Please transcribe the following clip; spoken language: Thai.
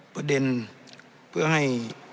ประเด็นเพื่อให้